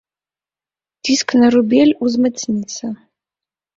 Ціск на рубель узмацніцца.